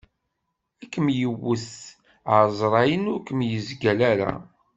Ad kem-yewwet, ɛezṛayen ur kem-yezgal ara.